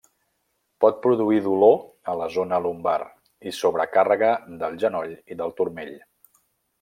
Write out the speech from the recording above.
Pot produir dolor a la zona lumbar i sobrecàrrega del genoll i del turmell.